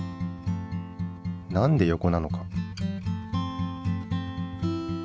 なんで横なのか？